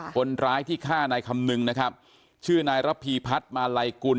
คนร้ายที่ฆ่านายคำนึงนะครับชื่อนายระพีพัฒน์มาลัยกุล